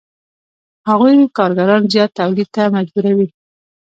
هغوی کارګران زیات تولید ته مجبوروي